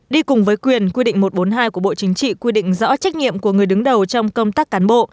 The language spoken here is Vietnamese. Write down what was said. đi cùng với quyền quy định một trăm bốn mươi hai của bộ chính trị quy định rõ trách nhiệm của người đứng đầu trong công tác cán bộ